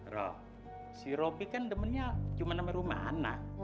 roh si robi kan demennya cuma namanya rumana